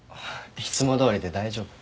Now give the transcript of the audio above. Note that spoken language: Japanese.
いつもどおりで大丈夫。